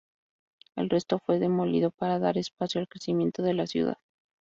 El resto fue demolido para dar espacio al crecimiento de la ciudad.